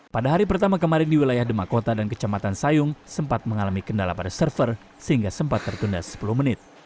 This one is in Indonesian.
pada hari pertama kemarin di wilayah demakota dan kecamatan sayung sempat mengalami kendala pada server sehingga sempat tertunda sepuluh menit